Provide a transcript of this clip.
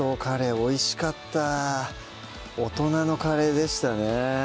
おいしかった大人のカレーでしたね